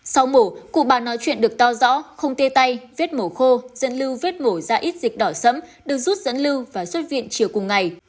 sau mổ cụ bà nói chuyện được to rõ không tia tay viết mổ khô dân lưu vết mổ ra ít dịch đỏ sẫm được rút dẫn lưu và xuất viện chiều cùng ngày